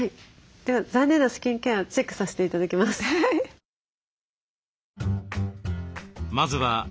では残念なスキンケアチェックさせて頂きます。